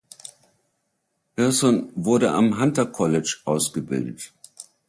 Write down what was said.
Hirson wurde am Hunter College ausgebildet.